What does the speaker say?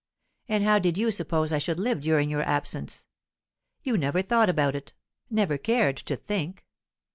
And how did you suppose I should live during your absence? You never thought about it, never cared to think.